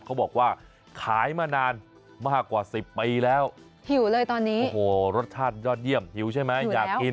เขาบอกว่าขายมานานมากกว่าสิบปีแล้วหิวเลยตอนนี้โอ้โหรสชาติยอดเยี่ยมหิวใช่ไหมอยากกิน